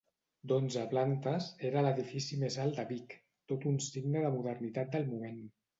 D’onze plantes, era l’edifici més alt de Vic, tot un signe de modernitat del moment.